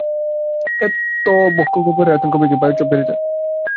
এতে বক্ষগহ্বরের আয়তন কমে গিয়ে বায়ুর চাপ বেড়ে যায়।